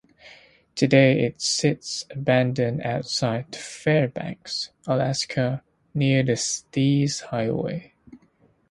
Today it sits abandoned outside Fairbanks, Alaska near the Steese Highway.